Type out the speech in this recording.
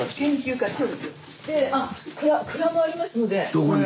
どこに？